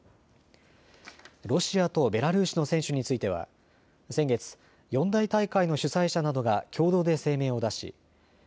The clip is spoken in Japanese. ロシアとベラルーシの選手については先月、四大大会の主催者などが共同で声明を出しＩＴＦ